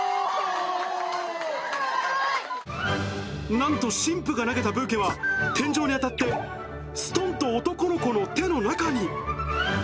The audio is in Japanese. なんと、新婦が投げたブーケは、天井に当たってすとんと男の子の手の中に。